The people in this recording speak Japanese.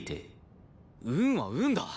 運は運だ。